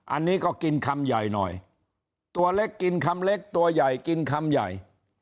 อันนี้ก็กินคำใหญ่หน่อยตัวเล็กกินคำเล็กตัวใหญ่กินคำใหญ่